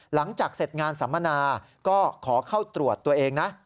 หลังจากเสร็จงานสัมมนาก็ขอเข้าตรวจตัวเองนะ